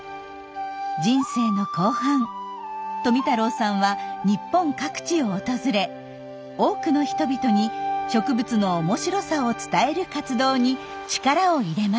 人生の後半富太郎さんは日本各地を訪れ多くの人々に植物の面白さを伝える活動に力を入れました。